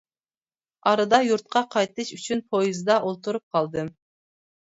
ئارىدا يۇرتقا قايتىش ئۈچۈن پويىزدا ئولتۇرۇپ قالدىم.